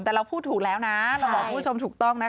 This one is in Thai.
แต่เราพูดถูกแล้วนะเราบอกคุณผู้ชมถูกต้องนะคะ